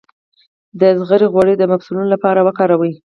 د زغر غوړي د مفصلونو لپاره وکاروئ